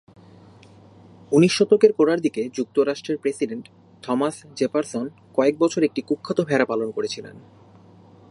উনিশ শতকের গোড়ার দিকে যুক্তরাষ্ট্রের প্রেসিডেন্ট থমাস জেফারসন কয়েক বছর একটি কুখ্যাত ভেড়া পালন করেছিলেন।